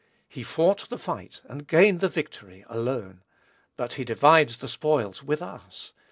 He fought the fight and gained the victory, alone; but he divides the spoils with us.